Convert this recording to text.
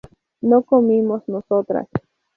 ¿no comimos nosotras?